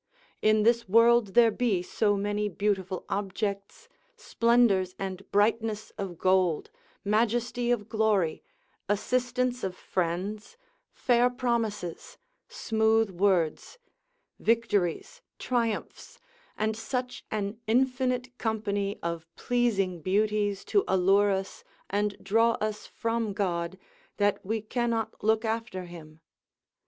In this world there be so many beautiful objects, splendours and brightness of gold, majesty of glory, assistance of friends, fair promises, smooth words, victories, triumphs, and such an infinite company of pleasing beauties to allure us, and draw us from God, that we cannot look after him.